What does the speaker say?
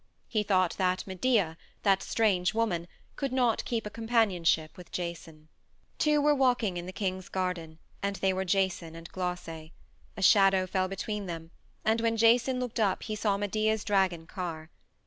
He thought that Medea, that strange woman, could not keep a companionship with Jason. Two were walking in the king's garden, and they were Jason and Glauce. A shadow fell between them, and when Jason looked up he saw Medea's dragon car.